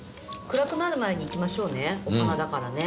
暗くなる前に行きましょうねお花だからね。